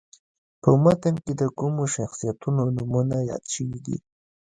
په متن کې د کومو شخصیتونو نومونه یاد شوي دي.